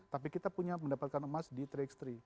tapi kita punya mendapatkan emas di tiga x tiga